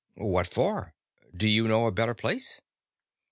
"What for? Do you know a better place?"